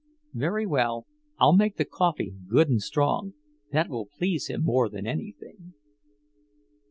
"Very well. I'll make the coffee good and strong; that will please him more than anything."